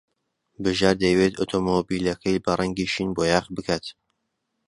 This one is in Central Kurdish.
بژار دەیەوێت ئۆتۆمۆبیلەکەی بە ڕەنگی شین بۆیاغ بکات.